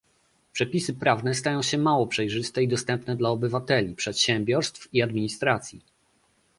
Przepisy prawne stają się mało przejrzyste i dostępne dla obywateli, przedsiębiorstw i administracji